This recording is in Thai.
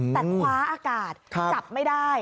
แต่คว้าอากาศจับไม่ได้